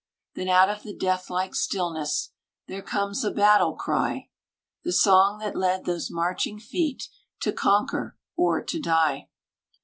Then out of the death like stillness There comes a battle cry The song that led those marching feet To conquer, or to die.